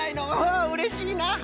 わうれしいな！